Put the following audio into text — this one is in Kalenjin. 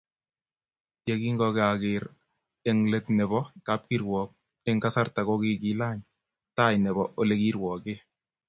Ye kingokakeker eng let nebo kapkirwok eng kasarta kokikilany tai nebo Ole kirwoke